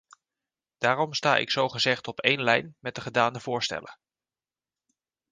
Daarom sta ik zo gezegd op één lijn met de gedane voorstellen.